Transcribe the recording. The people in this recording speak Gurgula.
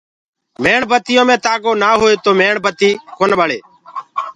ميڻ بتيو مينٚ تآگو نآ هوئي تو ميڻ بتي ڪونآ ٻݪي۔